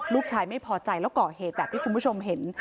ลูกชายไม่พอใจแล้วก่อเหตุแบบที่คุณผู้ชมเห็น